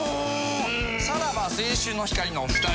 さらば青春の光のお２人。